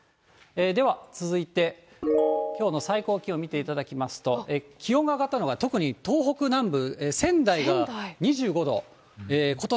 では続いて、きょうの最高気温見ていただきますと、気温が上がったのが、特に東北南部、仙台が２５度。